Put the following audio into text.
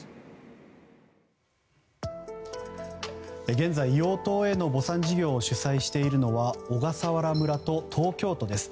現在、硫黄島への墓参事業を主催しているのは小笠原村と東京都です。